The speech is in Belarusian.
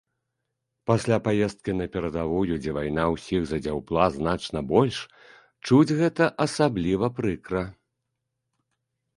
Пасля паездкі на перадавую, дзе вайна ўсіх задзяўбла значна больш, чуць гэта асабліва прыкра.